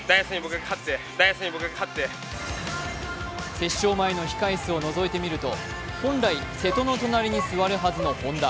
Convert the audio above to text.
決勝前の控え室をのぞいてみると、本来、瀬戸の隣に座るはずの本多。